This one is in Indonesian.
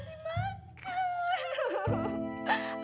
saya yang kasih makan